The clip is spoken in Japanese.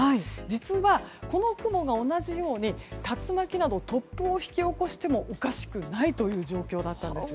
実は、この雲が同じように竜巻など突風を引き起こしてもおかしくないという状況だったんです。